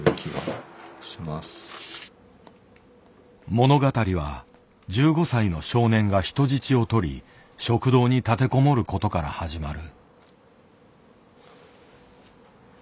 物語は１５歳の少年が人質をとり食堂に立てこもることから始まる。